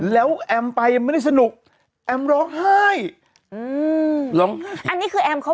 แล้วแอมไปไม่ได้สนุกแอมร้องไห้